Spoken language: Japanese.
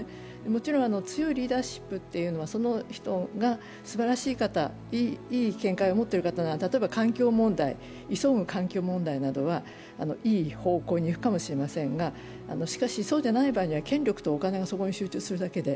もちろん強いリーダーシップというのは、その人がすばらしい方、いい見解を持っている方が例えば環境問題、急ぐ環境問題などは、いい方向に行くかもしれませんがしかし、そうじゃない場合は権力とお金がそこに集まるだけで